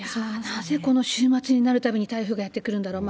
なぜこの週末になるたびに台風がやって来るんだろう。